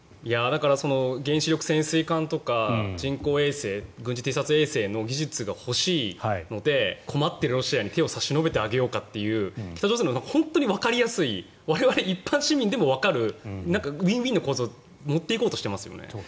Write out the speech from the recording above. だから原子力潜水艦とか人工衛星軍事偵察衛星の技術が欲しいので困っているロシアに手を差し伸べてあげようかっていう北朝鮮の本当にわかりやすい我々一般市民でもわかるウィンウィンの構造に持っていこうとしてますよね。